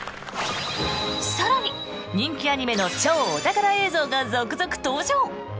更に、人気アニメの超お宝映像が続々登場！